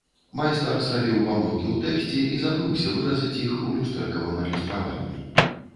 Майстар зрабіў памылкі ў тэксце і забыўся выразаць іх у люстэркавым адлюстраванні.